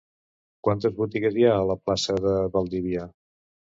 Quines botigues hi ha a la plaça de Valdivia?